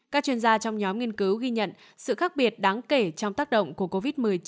các chuyên gia trong nhóm nghiên cứu ghi nhận sự khác biệt đáng kể trong tác động của covid một mươi chín